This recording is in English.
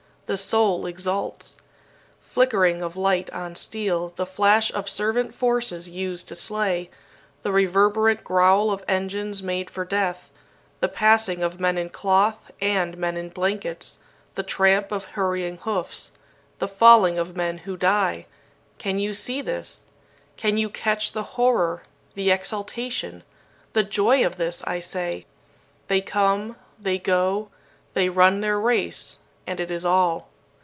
The soul exults. Flickering of light on steel, the flash of servant forces used to slay, the reverberant growl of engines made for death, the passing of men in cloth and men in blankets, the tramp of hurrying hoofs, the falling of men who die can you see this can you catch the horror, the exultation, the joy of this, I say? They come, they go; they run their race, and it is all.